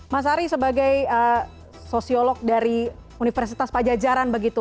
mas ari sebagai sosiolog dari universitas pajajaran begitu